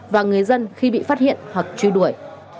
và người dân khi bị phát hiện hoặc truy đuổi